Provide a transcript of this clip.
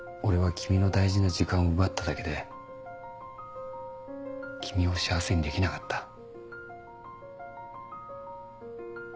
俺は君の大事な時間を奪っただけで君を幸せにできなかった。